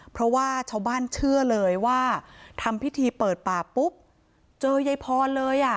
เพราะว่าชาวบ้านเชื่อเลยว่าทำพิธีเปิดป่าปุ๊บเจอยายพรเลยอ่ะ